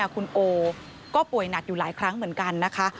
คุณโอก็ป่วยหนักอยู่หลายครั้งเหมือนกันนะคะ